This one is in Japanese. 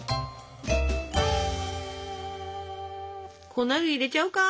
粉類入れちゃうか？